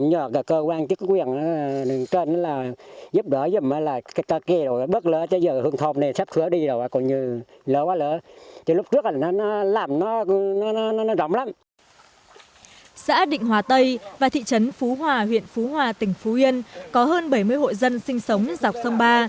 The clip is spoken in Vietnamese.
hòa tây và thị trấn phú hòa huyện phú hòa tỉnh phú yên có hơn bảy mươi hội dân sinh sống dọc sông ba